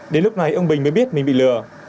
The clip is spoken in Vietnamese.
đến lúc này ông bình mới biết mình bị lừa